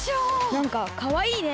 なんかかわいいね。